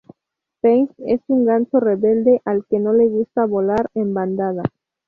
Peng es un ganso rebelde al que no le gusta volar en bandada.